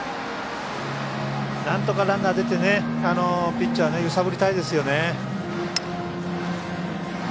なんとかランナー出てピッチャーを揺さぶりたいですね。